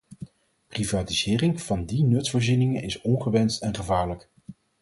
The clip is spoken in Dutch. Privatisering van die nutsvoorzieningen is ongewenst en gevaarlijk.